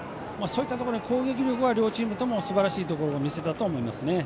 そういったところで攻撃力は両チームともすばらしいところを見せたと思いますね。